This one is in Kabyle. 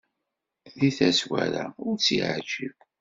Deg tazwara, ur tt-yeɛjib.